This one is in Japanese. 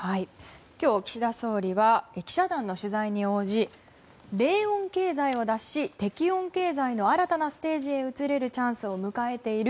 今日、岸田総理は記者団の取材に応じ冷温経済を脱し適温経済の新たなステージへ移れるチャンスを迎えている。